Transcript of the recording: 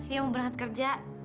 ibu mau berangkat kerja